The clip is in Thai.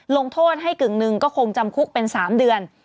ลงโทษให้กึ่งหนึ่งก็คงจำคุกเป็น๓เดือน